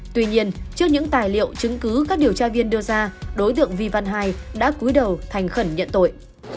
tuy nhiên trước những tài liệu chứng cứ các điều tra viên đưa ra đối tượng vi văn hai đã cuối đầu thành khẩn nhận tội